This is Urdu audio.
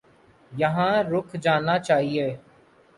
یہاں رک جانا چاہیے۔